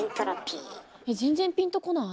全然ピンとこない。